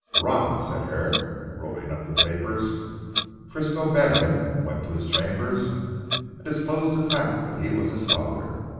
"Robin," said Herrick rolling up the papers, "Frisco met him, went to his chambers, and disclosed the fact that he was his father.